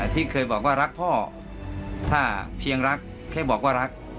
ที่เคยบอกว่ารักพ่อถ้าเพียงรักแค่บอกว่ารัก